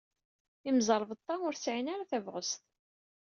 Imẓerbeḍḍa ur sɛin ara tabɣest.